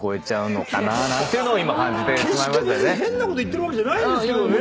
決して変なこと言ってるわけじゃないんですけどね。